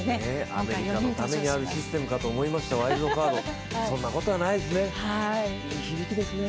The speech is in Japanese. アメリカのためにあるシステムかと思いましたワイルドカードそんなことはないですね、いい響きですね。